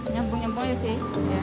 nyambung nyambung ya sih